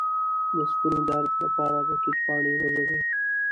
د ستوني درد لپاره د توت پاڼې وژويئ